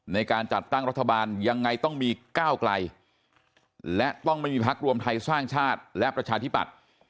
ในการจัดตั้งรัฐบาลยังไงต้องมีก้าวไกลและต้องไม่มีพักรวมไทยสร้างชาติและประชาธิปัตย์